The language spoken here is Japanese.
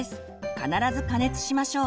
必ず加熱しましょう。